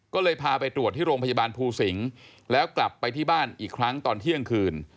ก็เลยพาไปตรวจที่โรงพยาบาลภูสิงศ์แล้วกลับไปที่บ้านอีกครั้งตอนเที่ยงคืน